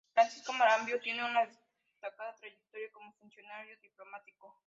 Francisco Marambio tiene una destacada trayectoria como funcionario diplomático.